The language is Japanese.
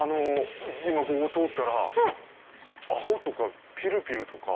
今ここ通ったらアホとかピルピルとか。